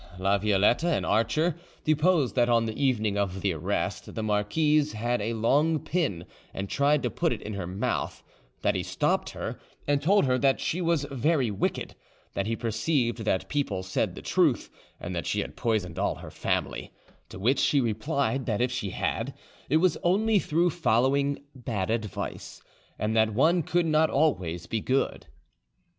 Laviolette, an archer, deposed that on the evening of the arrest, the marquise had a long pin and tried to put it in her mouth; that he stopped her, and told her that she was very wicked; that he perceived that people said the truth and that she had poisoned all her family; to which she replied, that if she had, it was only through following bad advice, and that one could not always be good.